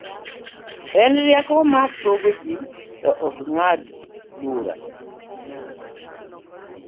en rieko ma pogo ji, to ok ng'ado bura